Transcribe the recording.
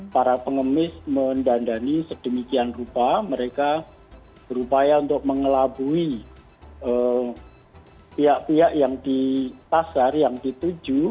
para pengemis mendandani sedemikian rupa mereka berupaya untuk mengelabui pihak pihak yang di pasar yang dituju